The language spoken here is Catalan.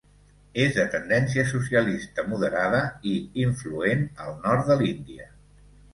És de tendència socialista moderada i influent al nord de l'Índia.